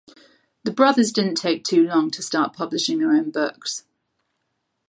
The brothers didn't take too long to start publishing their own books.